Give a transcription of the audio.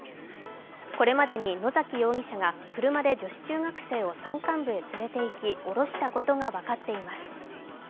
これまでに野崎容疑者が車で女子中学生を山間部へ連れていき降ろしたことが分かっています。